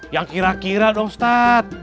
yang kira kira dong ustadz